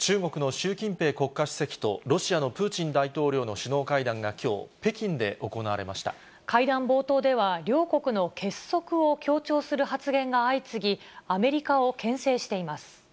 中国の習近平国家主席と、ロシアのプーチン大統領の首脳会談がき会談冒頭では、両国の結束を強調する発言が相次ぎ、アメリカをけん制しています。